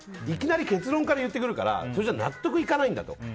いきなり結論から言ってくるからそれじゃ納得いかないんだと。